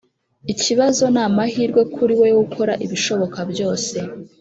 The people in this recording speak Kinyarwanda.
ikibazo ni amahirwe kuriwe yo gukora ibishoboka byose